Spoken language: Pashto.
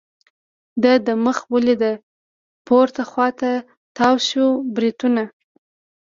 د ده مخ ولید، پورته خوا ته تاو شوي بریتونه.